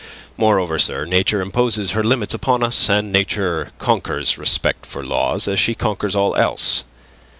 Moreover, sir, Nature imposes her limits upon us, and Nature conquers respect for law as she conquers all else.